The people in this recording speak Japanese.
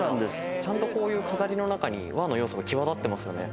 ちゃんとこういう飾りの中に和の要素が際立ってますよね。